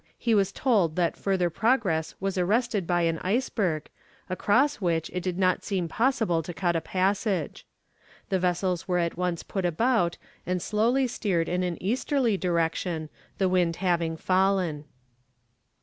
he was told that further progress was arrested by an iceberg, across which it did not seem possible to cut a passage. The vessels were at once put about and slowly steered in an easterly direction, the wind having fallen.